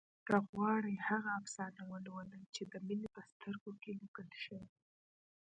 هغه غواړي هغه افسانه ولولي چې د مينې په سترګو کې لیکل شوې